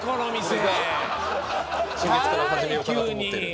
今月から始めようかなと思ってる。